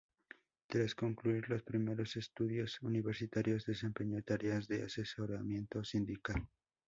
Tras concluir los primeros estudios universitarios desempeñó tareas de asesoramiento sindical.